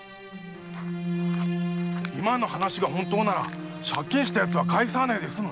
今の話が本当なら借金した人は返さねえで済む。